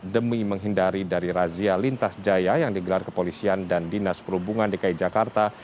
demi menghindari dari razia lintas jaya yang digelar kepolisian dan dinas perhubungan dki jakarta